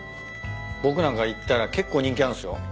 僕なんか行ったら結構人気あるんすよ。